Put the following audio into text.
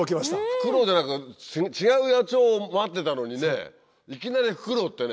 フクロウじゃなくて違う野鳥を待ってたのにいきなりフクロウってね